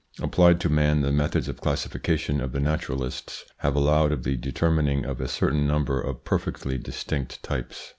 Applied to man, the methods of classification of the naturalists have allowed of the determining of a certain number of perfectly distinct types.